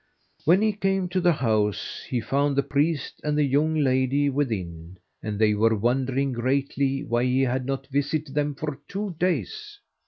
When he came to the house, he found the priest and the young lady within, and they were wondering greatly why he had not visited them for two days.